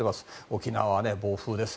沖縄は暴風です。